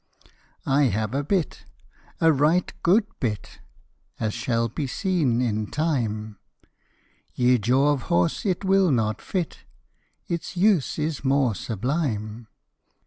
I have a bytte a ryghte good bytte As shall bee seene yn tyme. Y{e} jawe of horse yt wyll not fytte; Yts use ys more sublyme.